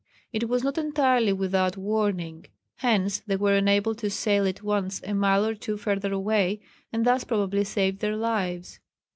It was not entirely without warning; hence they were enabled to sail at once a mile or two further away, and thus probably saved their lives.